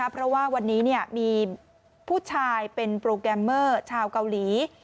เพราะว่าวันนี้มีผู้ชายเป็นโปรแกรมเมอร์ชาวเกาหลี